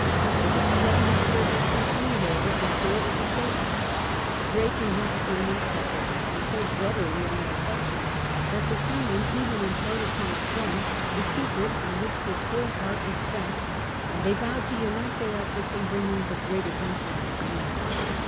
The discredited servant continued, however, to serve as a soldier. Drake and he became inseparable, and so brotherly in their affection that the seaman even im parted to his friend the secret on which his whole heart 54 SIJS FRANCIS DRAKE ohap. was bent, and they vowed to unite their efforts in bringing the great adventure into being.